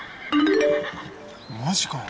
マジかよ。